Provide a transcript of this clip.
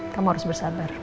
kamu harus bersabar